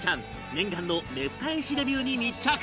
念願のねぷた絵師デビューに密着！